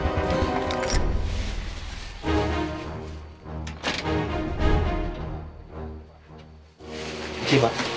terima kasih pak